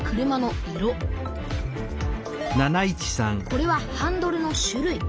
これはハンドルの種類。